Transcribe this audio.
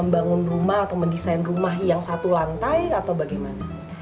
membangun rumah atau mendesain rumah yang satu lantai atau bagaimana